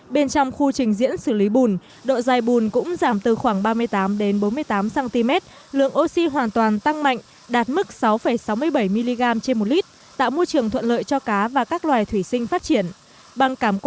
bên trong khu trình diễn xử lý bùn độ dày bùn cũng giảm từ khoảng ba mươi tám đến bốn mươi tám cm